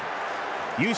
優勝